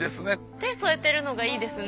手添えてるのがいいですね。